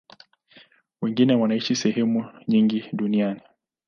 Wengine wanaishi sehemu nyingi duniani.